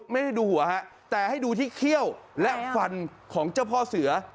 ไม่ได้ดูหัวฮะแต่ให้ดูที่เขี้ยวและฟันของเจ้าพ่อเสือ